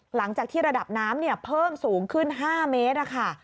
หลังจากที่ระดับน้ำเพิ่มสูงขึ้น๕เมตรค่ะ